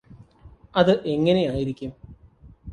ഇത് എങ്ങനെയായിരിക്കും